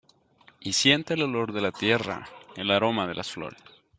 Y sienta el olor de la tierra, el aroma de las flores.